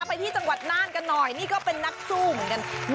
ไปที่จังหวัดน่านกันหน่อยนี่ก็เป็นนักสู้เหมือนกัน